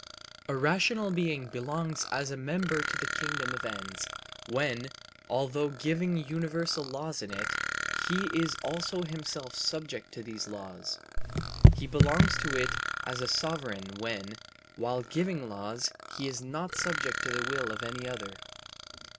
A rational being belongs as a member to the kingdom of ends when, although giving universal laws in it, he is also himself subject to these laws. He belongs to it as sovereign when, while giving laws, he is not subject to the will of any other.